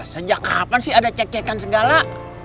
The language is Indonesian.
sejak kapan sih ada cek cekan segala